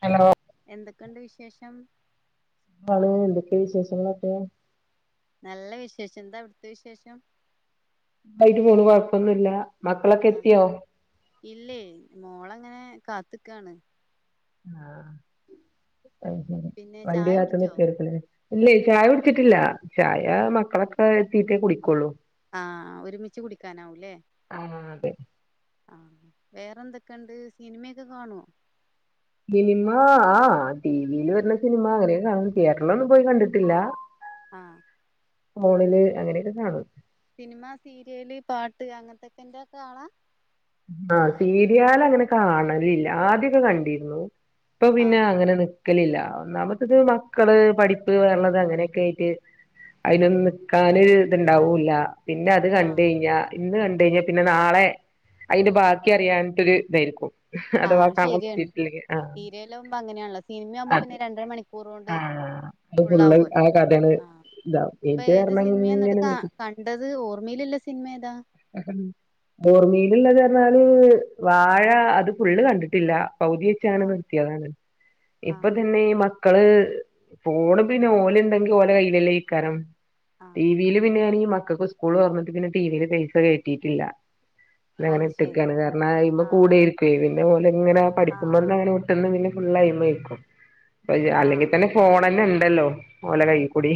Hello എന്തൊക്കെണ്ട് വിശേഷം ന്താണ് എന്തക്കെ വിശേഷങ്ങളൊക്കെ നല്ല വിശേഷം എന്താ അവിടുത്തെ വിശേഷം ഖായിട്ട് പോണു കുഴപ്പൊന്നുല്ല അ ഇല്ലയ് മോളങ്ങനെ കാത്തക്കാണ് ആ അ പിന്നെ വണ്ടി ചായ കാത്ത് കുടിച്ചോ നിക്കര്ത് ഇല്ലേ ചായ കുടിച്ചിട്ടില്ല ചായ മക്കളൊക്കെ എത്തീറ്റേ കുടിക്കുള്ളൂ ആ ഒരുമിച്ച് കുടിക്കാനാവൂലേ ഉ ആ വേറെന്തെക്കെ ണ്ട് സിനിമെക്കെ കാണോ സിനിമ ആ ടിവില് വര്ന്ന സിനിമ അങ്ങനെക്കെ കാണും തിയേറ്ററിലൊന്നും പോയി കണ്ടിട്ടില്ല ആ ഫോണില് അങ്ങനെ ക്കെക്കാണും സിനിമ, സീര്യേല്, പാട്ട് അങ്ങൻത്തക്കൻ്റൊക്കാളാ ആ സീര്യാലങ്ങനെ കാണലില്ല ആദ്യൊക്കെ കണ്ടിര്ന്നു ഇപ്പൊ പിന്നെ ആഹ് അങ്ങനെ നി ക്കലില്ല ഒന്നാമത് മക്കള് പഠിപ്പ് വേറെള്ളത് അങ്ങനൊക്കായിട്ട് അയ്നൊന്നു നിക്കാന് ത്ണ്ടാവൂല പിന്നെ അത് ആഹ് കണ്ടഴ്ഞ്ഞാ ഇന്ന് കണ്ടഴ്ഞ്ഞാ പിന്നെ നാളെ അയിന്റെ ബാക്കി അറിയാൻട്ടൊരു തായിരിക്കും ആ ശെര്യാണ് സീരിയല്ലാവുമ്പോ അങ്ങനെയാണല്ലോ സിനിമയാവുമ്പോ പിന്നെ അതെ രണ്ടര മണിക്കൂറൊണ്ട് ആഹ് അത് ഫുള്ള് ഫുള്ളാവൊലോ ആ കഥയാണ് ആ ഇതാവും ഇപ്പൊ ഇത് ഏത് കാരണം സിനിമേന്നട്ട് ഇങ്ങനെ ത നീട്ടി കണ്ടത് ഓർമ്മയില്ല്ല സിനി മേതാ ഓർമിയിലള്ളതർഞ്ഞാല് വാഴ അത് ഫുള്ള് കണ്ടിട്ടില്ല പൗ തെച്ചാണ് ആഹ് നിർത്ത്യതാണ് ഇപ്പ ആഹ് തന്നെ ഈ മക്കള് ഫോണ് പിന്നെ ഓല് ണ്ടെങ്കി ഓലെ കയ്യിലല്ലേക്കാരം ആഹ് ടിവി യിൽ പിന്നെണെങ്കി മ ക്കക്ക് സ്‌ക്കൂൾ തൊർന്നിട്ട് പിന്നെ ടിവില് പൈ സ കേറ്റിട്ടില്ല അ അതങ്ങ നെ അത് ശരി ഇട്ടക്കാണ് കാരണം അയ്മെ ആഹ് കൂടെയിരിക്കുവേ തെപ്പോലെ ഇങ്ങനെ ആഹ് ആഹ് പഠിപ്പ്മന്നങ്ങനെ വിട്ട്ന്ന് പിന്നെ ഫുള്ളയ്മെയ്ക്കും അല്ലെങ്കി ആഹ് തന്നെ ഫോണിന്നെ ണ്ടല്ലോ ഓലെ കൈയ്യീ കൂടി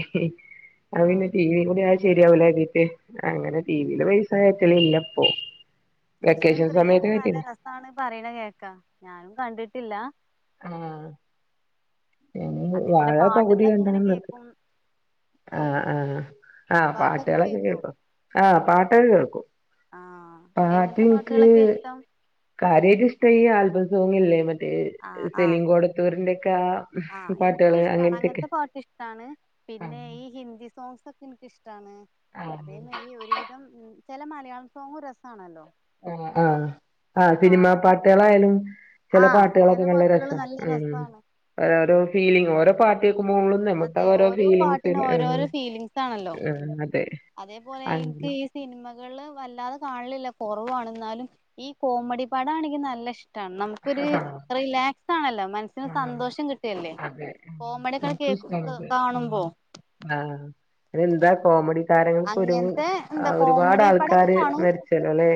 അഅ് പിന്നെ ആഹ് ടീവി ക്കൂടി ആ ശെരിയാവൂലാര്തീ ട്ടെ അങ്ങനെ ടി ഉം വിയില് പൈ ട്ടിലില്ല പ്പോ ദൃശ്യം ത്രീയൊക്കെ നല്ല രസാണ് പറീണ കേക്കാ ഞാനും കണ്ടിട്ടില്ല ആ അതേപോലെ വാഴ പകുതി പാട്ടുകളൊക്കെ ഇങ്ങനെ കണ്ടങ്ങനെ നിക്ക കേക്കും ആ ആ ആ പാട്ടൊക്കെ പാട്ടുകളൊക്കെ കേക്കോ കേൾക്കും ആ പാട്ടൊക്കെ കേൾക്കും ആഹ് പാട്ട് എങ്ങനത്തെ ൻക്ക് പാട്ടുകളൊക്കെ ഇഷ്ടം കാര്യ യിട്ടിഷ്‌ടം ഈ ആൽബം സോങ്ങില്ലേ മ സെലിംങ്കോടത്തൂരിന്റെ ക്കെ ആ ആ പാട്ടുകള് എനിക്കുഷ്ടാണ് അങ്ങനത്തെയൊക്കെ അങ്ങൻത്തെ പാട്ട്ഷ്ടാണ് പിന്നെ ആഹ് ഈ ഹിന്ദി ആഹ് [unintelligible] [unintelligible] ചെല മലയാള സോങ്ങ് രസാണല്ലോ ആ ആ ആ അങ്ങനെ സിനിമ പാട്ടൊക്കെ ഇഷ്ടാ. പാട്ടുകളായാലും ചില ആഹ് പാട്ടുകളൊ ചെല പാട്ടുകള് നല്ല രസാണ് ഓരോരോ ഫീലിംഗ് ആ ഓരോ പാട്ട് കേൾക്കുമ്പോളും നമുക്ക് അതെ ഓരോ ഫീലിങ്സ് പാട്ടിനും ആഹ് ഓരോരോ ഫീലിഗ്സ് ആണല്ലോ ആഹ് അതെ അതെപോലെ എനിക്ക് അങ്ങനെ ഈ സിനിമകള് വല്ലാതെ കാണലില്ല കൊറവാ മാണ് എന്നാലും ഈ കോമഡി പടാണെങ്കി നല്ല ഇഷ് ടാണ് നമുക്കൊരു ആഹ് റിലാക്സാണല്ലോ മനസ്സിന് ആഹ് സന്തോഷം കിട്ടല്ലേ. അതെ ഉം കോമഡിക്കെ എനിക്കും കേക്കു ഇഷ്ടാണത് കാണുമ്പോ എന്താ കോമഡി താരങ്ങൾക്കൊരു അങ്ങനത്തെ ആ എന്താ ഒരുപാട് കോമഡി പടൊക്കെ ആൾക്കാര് കാണും മരിച്ചല്ലോ ല്ലേ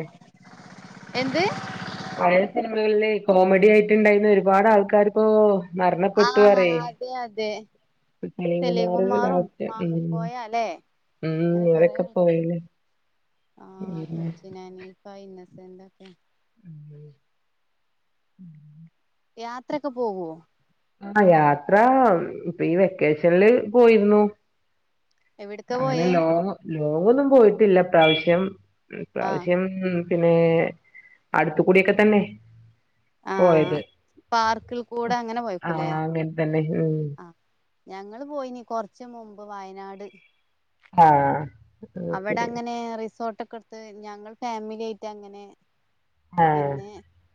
എന്ത് പഴേ സിനിമകളില് കോമഡിയായിട്ടുണ്ടായിരുന്ന ഒരുപാട് ആൾക്കാരിപ്പോ ആ അതെ അതെ സെലീംകുമാർ സെലിംകുമാറും ലാസ്റ്റ് ഉം മാമുക്കോയ അല്ലെ ഉം അങ്ങനെ കൊറെ അവരൊക്കെ ആൾക്കാര് പോയില്ലേ ആ ഉം. കൊച്ചിൻഹനീഫായും ഇന്നസെൻറ് ഒക്കെ ഉം ഉം യാത്രൊക്കെ പോകുവോ ആ യാത്ര ഇപ്പൊ ഈ വെക്കേഷനില് പോയിരുന്നു എവിടക്കാ അങ്ങനെ പോയേ ലോങ് ലോങ്ങൊന്നും പോയിട്ടില്ല പ്രാവശ്യം ആഹ് ഇപ്രാവശ്യം പിന്നെ അടുത്തുകുടിയൊക്കെ തന്നെ ആ പോയത് പാർക്കിൽ കൂടെ അങ്ങനെ ആ പോയക്കൂലേ അങ്ങൻ തന്നെ ഉം ആ ഞങ്ങള് പോയിനി കൊറച്ച് മുമ്പ് വയനാട് ആ അത് അവിടെ ശരി അങ്ങനെ റിസോർട്ട്ക്കെ എ ഞങ്ങൾ ഫാമിലിയായിട്ട് അങ്ങനെ ആ പിന്നെ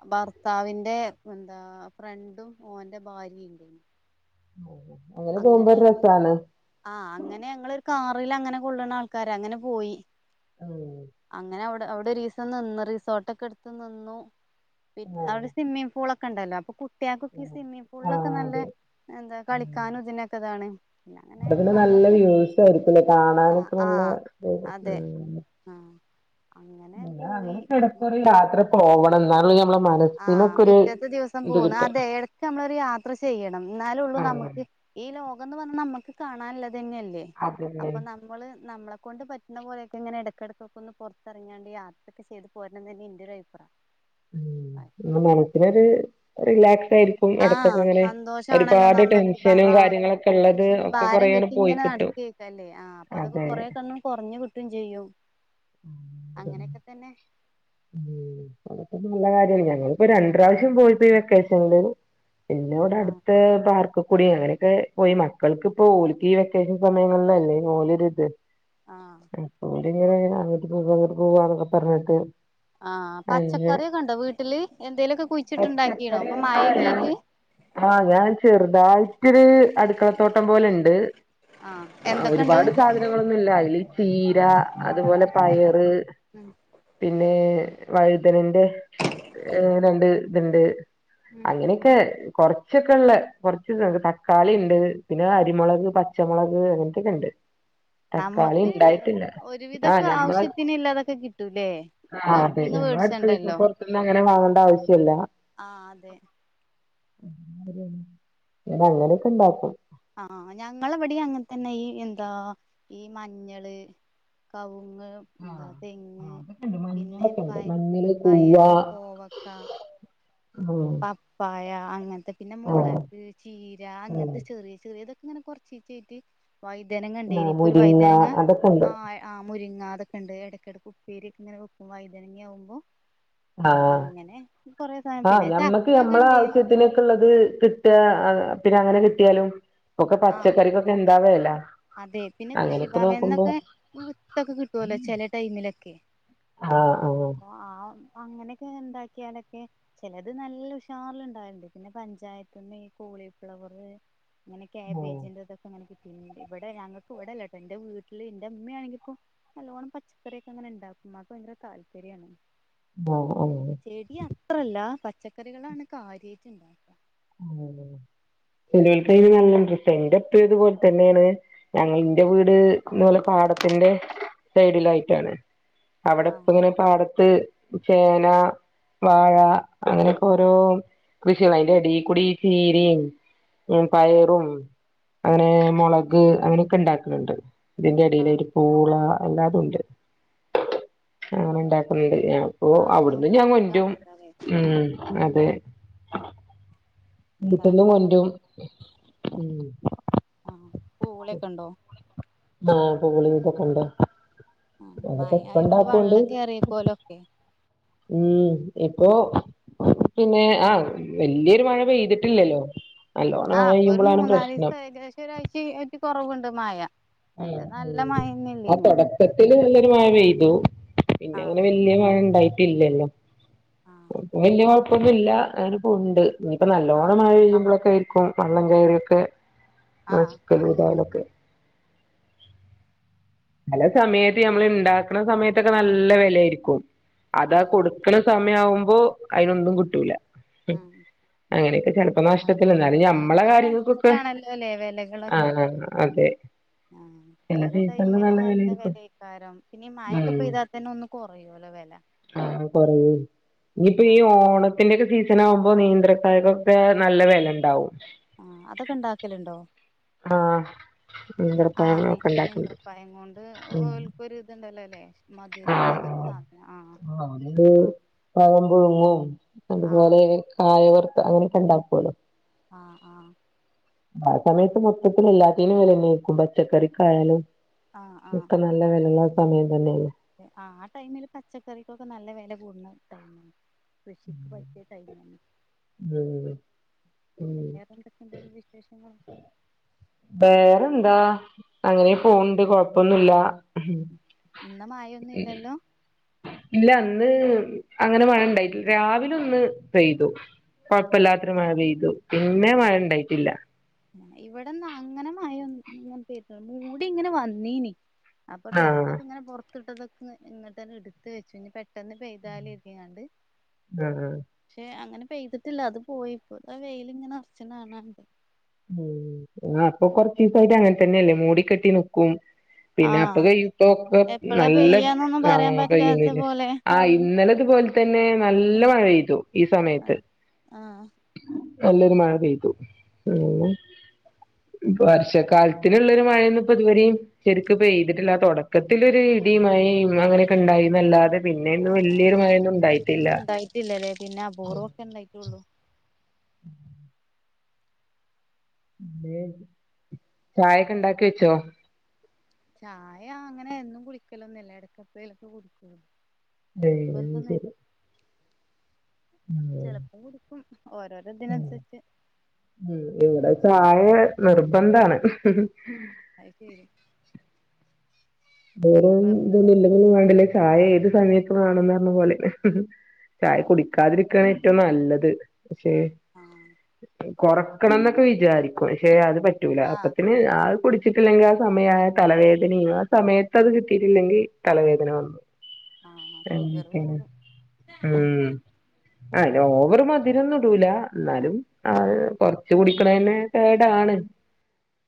ഭർ ഭർത്താവിൻറെ എന്താ ഫ്രണ്ടും ഓന്റെ ഭാര്യയിം ഇണ്ടായീനി [inaudible] പോകുമ്പോ അങ്ങനെ ഒരു രസാണ് ആ അങ്ങനെ ഞങ്ങളൊരു കാ റീല് അങ്ങനെ കൊള്ളണ ആൾക്കാര് അങ്ങനെ പോയി ഉം അങ്ങനെ അവിട് അവിടെ ഒരീസം നിന്നു റിസോട്ടൊക്കെ എടുത്തുനിന്നു പിന് ആ അവിടെ സ്വിമ്മിംഗ് പൂളൊക്ക് ക്കണ്ടല്ലോ അപ്പൊ കുട്ടിയാൾക് ഈ ഉം. സ്വിമ്മിപൂളിലൊക്കെ നല്ല എന്താ കളി അപ്പോതിന് നല്ല നമ്മുക്കും വ്യൂസ് ആയിരിക്കൂല്ലേ ആഹ് കാണാനൊക്കെ നല്ല ആഹ് മൂ അതെ മൂ ആഹ് അങ്ങനെ എല്ലാ പോയി അങ്ങനൊക്കെ എടക്കൊരു യാത്ര പോവണം ഇന്നളില് ഞമ്മള് ആ പിറ്റത്തെ ദിവസം പോന്ന് അതേ ഇടക്ക് നമ്മളൊരു യാത്ര ചെയ്യണം എന്നാലേള്ളൂ ആഹ് നമുക്ക് ഈ ലോകംന്ന് പറഞ്ഞാ നമ്മക്ക് കാണാൻള്ളത് തന്നെയല്ലേ അതന്നെ. അപ്പൊ നമ്മള് നമ്മളെ കൊണ്ടുപറ്റുന്പോലെക്കെങ്ങനെ എടക്കടക്കൊക്കൊന്ന് പുറത്തിറങ്ങിങ്ങാണ്ട് യാത്രയൊക്ക ചെയ്ത് പോരണംതന്നെ എന്റൊരുഭിപ്രായം. ഉം ഒന്ന് മനസ്സിനൊരു റിലാക്സ് ആയിരിക്കും ആ ഇടക്കൊക്കെ ഇങ്ങനെ സന്തോഷണല്ലോ ഒരുപാട് നമ്മക്ക് ടെൻഷനും ആ കാര്യങ്ങളൊക്കെ ഉള്ളത് ടെൻഷനും ഒക്കെ ഭാരം കൊറേങ്ങട് പോയി കെട്ടിങ്ങനെ കിട്ടും. നടക്കേക്കല്ലേ ആ അപ്പൊതോക്കൊ അതെ. കൊറേക്കൊന്ന് കൊറഞ്ഞകിട്ടുംചെയ്യും അങ്ങനൊക്കെത്തന്നെ മൂ അതൊക്കെ നല്ല കാര്യം ഞങ്ങളിപ്പോ രണ്ട് പ്രാവിശ്യം പോയിപ്പാ വെക്കേഷനില്ല് ആഹ് പിന്നോടടുത്ത് പാർക്കും കൂടിയങ്ങനൊക്കെപോയി മക്കൾക്കിപ്പോ ഓല്ക്ക് ഈ വെക്കേഷൻ സമയങ്ങളിലല്ലേ ഓലരിത്. ആഹ് അപ്പോ ലീവായങ്ങട്ട്പോവ്വായിങ്ങട്ട്പോവ്വാനൊക്കെപ്പറഞ്ഞിട്ട്. ആഹ് അഞ് പച്ചക്കറിയൊക്കെ ഉണ്ടോ വീട്ടില് എന്തേലുമൊക്കെ കുഴിച്ചിട്ടുണ്ടാക്കീണോ ഇപ്പൊ മഴയൊക്കെ പച്ചക്കറിപറഞ്ഞാൽ ആയിട്ട് ആ ഞാൻ ചെറുതായിട്ടൊരു അടുക്കളത്തോടംപോലെണ്ട്. ആഹ് ആ എന്തൊക്കെണ്ട് ഒരുപാട് സാധനങ്ങളൊന്നുംല്ല അതിൽ ചീര അതുപോലെ പയറ് ഉം പിന്നെ പിന്നേ വഴുതനന്റെ എ രണ്ട് ഇത്ണ്ട്. ഉം അങ്ങനെയൊക്കെ കൊറച്ചൊക്കെള്ളേ കുറച്ച് ഇ തക്കാളിണ്ട് പിന്നെ അരിമുളക് പച്ചമുളക് അങ്ങനെത്തൊക്കെണ്ട്. നമ്മക്ക് ആഹ് ഒരുവിദൊക്കെ ഞമ്മളെ ആവശ്യത്തിനുള്ളതൊക്കെ കിട്ടൂല്ലേ. ആഹ് അതെ ഞമ്മളെടുക്കളേക്ക്പ്പോ പുറത്‍ന്നങ്ങനെ വാങ്ങണ്ടവശ്യല്ല. ആഹ് അതെ പ് രും പിന്നെഅങ്ങനൊക്കെണ്ടാക്കും ആഹ് ഞങ്ങളവിടീം അങ്ങനെതന്നെ ഈ എന്താ ഈ മഞ്ഞൾ കവു ങ് ന്താ ആഹ് തെങ്ങ് ആഹ് അതൊക്കെണ്ട് പിന്നെ മഞ്ഞളൊക്കെ ഇണ്ട് പയ് മഞ്ഞള് കൂവ പയർ കോവക്ക. ഉം പപ്പായ അങ്ങനത്തെ പിന്നെ ആഹ് മുളക് ചീര ഉം അങ്ങനത്തെ ചെറിയ ചെറിയതൊക്കെ ഇങ്ങനെ കുറച്ചേചായിട്ട്. വൈദ്യനങ്ങ ഉണ്ടേയ്ന് ആഹ് ഇനിയിപ്പൊ ഒരു മുരിങ്ങ വൈദ്യനങ്ങ അതൊക്കെണ്ട് ആ ആ മുരിങ്ങ അതൊക്കെ ണ്ട്. എടകടേക്ക് ഉപ്പേരിയൊക്കെങ്ങനെ വെക്കും വ ഴുതങ്ങാവുമ്പോ അങ്ങനെ കൊറേസാനം പിന്നേ നമ്മക്ക് നമ്മളെ ആവശ്യത്തിനൊക്കെള്ളത് കിട്ടാ. അ പിന്നെ അങ്ങനെ കിട്ടിയാലും ഒക്കെ ആഹ് പച്ചക്കറിക്കൊക്കെ എന്താവേല അതെ പിന്നെ കൃഷിഭവന്ന്നൊക്കെ വിത്തൊക്കെ കിട്ടുവല്ലോ ചെല ടൈമിലൊക്കെ ആഹ് ആഹ് അങ്ങനെയക്കെ ഉണ്ടാക്കിയാലൊക്കെ ചലത് നല്ല ഉഷാറില് ഇണ്ടാവാറുണ്ട് പിന്നെ പഞ്ചായത്ത്ന്ന് ഈ കോളിപ്ലവർ ങ്ങനെ കാമ്പേട്ന്റ ആഹ് തൊക്കെ ഉം ഇവിടെ ഞങ്ങൾക്ക് ഇവിടെല്ല കേട്ടോ എന്റെ വീട്ടില് എന്റെ അമ്മയാണെങ്കി ഇപ്പ നല്ലവണ്ണം പച്ചക്കറിയൊക്കെ അങ്ങനെ ഇണ്ടാക്കുംമാക്ക് ഭയങ്കര താല്പര്യണ് ആഹ് ചെടി അത്രല്ല പ പച്ചക്കറികളാണ് കാര്യമായിട്ട് ഉണ്ടാക്കുക നല്ല ഇൻട്രസ്റ്റ് എന്റെപ്പ ഇതു പോലെ തന്നെയാണ് ഞങ്ങ എന്റെ വീട് ഇത് വോലെ പാടത്തിന്റെ സൈഡിലായിട്ടാണ് ആഹ് അവിടെപ്പ ഇങ്ങനെ പാട ത്ത് ചേന വാഴ അങ്ങനെയൊക്കെ ഓരോ കൃഷിക അതിന്റെ അടി കുടി ചീരയും ഉം പയറും അങ്ങനെ മുളക് അങ്ങനെയൊക്കെ ഇണ്ടാക്കുന്നുണ്ട് ഇതിന്റെടിൽ ആഹ് ഒരു പൂള അല്ലാതും ഉണ്ട് അങ്ങനെ ഉണ്ടാക്കുന്നുണ്ട് അപ്പൊ അവിടുന്ന് പാടാവുമ്പോ ഞാൻ കൊന്റ്റും സുഖാണല്ലോ ല്ലേ ഉ അതെ [unintelligible] വീട്ടന്നും ഉണ്ടാക്കാനൊക്കെ കൊണ്ടരും ഉം പൂളയൊക്കെ ഉണ്ടോ ആഹ് പൂളിം തൊക്കെണ്ട് ഉ മഴ ആയ കൊണ്ട് വെള്ളം കേയറിയപ്പോലൊക്കെ ഉം ഇപ്പോ പിന്നെ ആഹ് വല്ല്യരു മഴ പെയ്തിട്ടില്ലല്ലോ നല്ലോണം ആ മഴ അപ്പൊ ഒരു പെയ്യുമ്പളാണ് മൂന്നാല് പ്രശ്നം ദിവസം ഏകദേശ ഒരാഴ്ച കുറവുണ്ട് മഴ ആ മറ്റേ നല്ല ആ മഴന്നല്ലേനോ തുടക്കത്തില് നല്ലൊരു മഴ പെയ്തു ആ പിന്ന അങ്ങനെ വല്ല്യ മഴ ഉണ്ടായി ഇല്ലല്ലോ ആ വല്യ കൊഴപ്പ ഇപ്പൊന്നില്ല അനപ്പം ഉണ്ട് ഇപ്പ ആ നല്ലോണ്ണം മഴയുമ്പഴൊക്കെ ക്കും വള്ളം കയറിയൊക്കെ ആ ആഹ് ശ്ക്കല് ഇതായതൊക്കെ പല സമയത്ത് ഞമ്മൾ ഇണ്ടാക്കണ സമയത്തൊക്കെ നല്ല വെല ആയിരിക്കും ആ അതാ കൊടുക്ക്ണ സമയം ആവുമ്പോ അതിനൊന്നും കിട്ടൂല ഉം അങ്ങനെയൊക്കെ ചെറുപ്പ നാഷ്ടത്തി അതന്നെ എന്നാലും ഞമ്മളെ സീസണ് കാര്യങ്ങൾക്കൊക്കെ അനുസരിച്ചാണല്ലോ അല്ലേ വിലകളൊക്കെ ആഹ് അതെ മ്മല് നല്ല വെലേക്കാരം പിന്നെ മഴൊക്കെ ഉം പെയ്താ തന്നെ ഒന്ന് കൊറയല്ലോ വെല ആഹ് കൊറയും ആഹ് ഓണാകുമ്പോൾ നീന്ത്രക്കായ്ക്കൊക്കെ നല്ല വെല ഇണ്ടാവും ആഹ് അതൊക്കെ ഇണ്ടാക്കല്ണ്ടോ ആഹ് ആഹ് നേ നേന്ത്രപ്പഴങ്ങളൊക്കെ ഉണ്ടാക്കണ്ട് നേന്ത്രപയ് കൊണ്ട് ഉം ഓൽക്ക് ഒരു ഇതുണ്ടല്ലോ ല്ലേ ആഹ് മധുരത്തിന്റെ സാധനം ആഹ് അത് ആഹ് പഴമ്പുഴുങ്ങും ആഹ് അതുപോലെ കായവറ് ക്ക അങ്ങനൊക്കെ ഉണ്ടാക്കുവല്ലോ. ആഹ് ആഹ് ആ സമയത്ത് മൊത്തത്തിൽ എല്ലാത്തിനും വെലന്നേക്കും പച്ചക്കറിക്കായാലും ഇപ്പം നല്ല വെലള്ള സമയം തന്നെയല്ലേ അതെ ആ ടൈമില് പച്ചക്കറിക്കൊക്കെ നല്ല വെല കൂട്ണ ടൈമാ. കൃഷിക്ക് പറ്റിയ ടൈമാണ്. ഉം ഉം വേറെന്തൊക്കെണ്ട് വിശേഷങ്ങളൊക്കെ? വേറെന്താ അങ്ങനെ പോവ്ണ്ട് കൊഴപ്പൊന്നൂല്ല. ഇന്ന് മഴയൊന്നും ഇല്ലല്ലോ? ഇല്ല ഇന്ന് അങ്ങനെ മഴ ഇണ്ടായിട്ട്ല്ല. രാവില ഒന്ന് പെയ്തു കൊഴപ്പല്ലാത്ത ര് മഴ പെയ്തു പിന്നെ മഴ ഇണ്ടായിട്ടില്ല. ഇവിടെന്നാ അങ്ങനെ മഴൊ [unintelligible] ചെയ്ത് മൂടി ഇങ്ങനെ വന്നീനി. അപ്പൊ ആഹ് ഡ്രെസ്സക്കെ ഇങ്ങെനെ പൊർ ത്തിട്ടതൊക്കെ ഇങ്ങട്ടന്നെ ഇട്ത്ത് വച്ചു. ഞ് പെ പെട്ടെന്ന് പെയ്താല് ഇരിക്ക കണ്ട് ആഹ് പക്ഷെ അങ്ങനെ പെയ്തിട്ടില്ല അത് പോയി ഇപ്പോ ദാ വെയിലിങ്ങനെ ഒർച്ചന കാണാണ്ട് ഉം ആഹ് അപ്പൊ കൊറച്ച് ദിവസായിട്ട് അങ്ങനെ തന്നെയല്ലേ മൂടി കെട്ടി നിക്കും പിന്നെ അപ്പ ആഹ് കൈ ഇപ്പ ഒക്കെ എപ്പളാ നല്ല പെയ്യാന്നൊന്നും പറയാൻ ആഹ് പെയും പറ്റാത്ത പോലെ ആഹ് ഇന്നലതുപോലെ തന്നെ നല്ല മഴ പെയ്തു ഈ സമയത്ത് ആഹ് ആഹ് നല്ലൊരു മഴ പെയ്തു ഉം പിന്നെ വർഷക്കാലത്തിലുള്ളരു മഴ ഒന്നും ഇപ്പോ ഇത് വരെയും ശെരിക്കും പെയ്തിട്ടില്ല തുടക്കത്തിലൊരു ഇടിയും മഴയും അങ്ങനെയൊക്കെ ഉണ്ടായി എന്നല്ലാതെ ആഹ് ആഹ് അതെ ഇടിയൊന്നും ഉണ്ടായിട്ടില്ലല്ലേ പിന്നെ അപൂർവം മൊക്കെ ഉണ്ടായിട്ടുള്ളു ഉം അതേ ചായൊക്കെ ഇണ്ടാക്കി വെച്ചോ ചായ അങ്ങനെ എന്നും കുടിക്കലൊന്നുമില്ല എടക്ക് എപോലും കുടിക്കൂ ടേ അയ് ശരി ഉം ചിലപ്പോൾ കുടിക്കും ഉം ഓരോരോതിനന്നുസരിച്ച് ഇവിടെ ചായ നിർബന്ധാണ് അയിശെരി ദൂരോ ഇതൊന്നു ഇല്ലന്ന് തോന്നു വാണ്ടിലേക്ക് ചായ ഏത് സമയത്ത് വേണോന്ന് പറഞ്ഞ പോലെ ചായ കുടിക്കാതിരിക്കയാണ് ഏറ്റവും നല്ലത് പക്ഷേ ആഹ് കിട്ടും കൊറക്കണ ന്നൊക്കെ വിചാരിക്കും പക്ഷെ അത് പറ്റൂല ആഹ് അപ്പത്തിന് ആഹ് കുടി കിട്ടിട്ടില്ലെങ്കി ആ സമയായ തലവേദനെവാ സമയത്ത് അത് കിട്ടിട്ടില്ലെങ്കി തലവേദന വന്നു ആഹ് ഷുഗർ എനിക്കാണ് കൂടും ഉം അയിന് ഓവർ മധുരം ഒന്നും ഇടൂല എന്നാലും അഹ് കൊറച്ച് കുടിക്കണന്നെ കേടാണ്